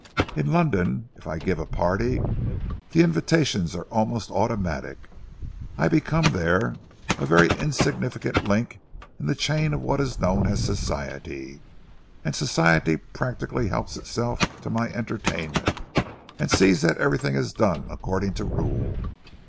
In London, if I give a party, the invitations are almost automatic. I become there a very insignificant link in the chain of what is known as Society, and Society practically helps itself to my entertainment, and sees that everything is done according to rule.